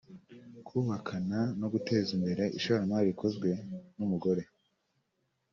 kubakana no guteza imbere ishoramari rikozwe n’umugore